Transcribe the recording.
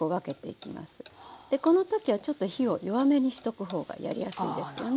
でこの時はちょっと火を弱めにしとくほうがやりやすいですよね。